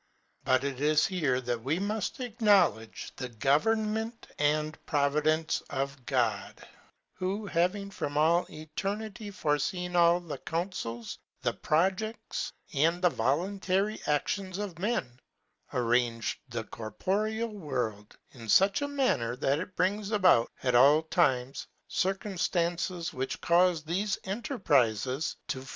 But it is here that we rnuft acknowledge the govern ment and providence of God, who, having from all eternity forefeen all the counfels, the projects, and the voluntary actions of men, arranged the corporeal world in fuch a manner, that it brings about, at all times, circumftances which caufe thefe enterprizes to fail 33^ OF EVENTS.